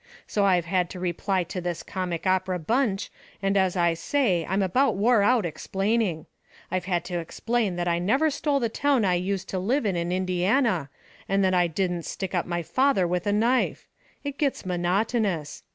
So I've had to reply to this comic opera bunch, and as I say, I'm about wore out explaining. I've had to explain that I never stole the town I used to live in in Indiana, and that I didn't stick up my father with a knife. It gets monotonous.